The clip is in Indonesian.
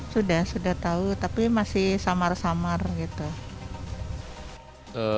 sudah sudah tahu tapi masih samar samar gitu